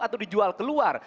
atau dijual keluar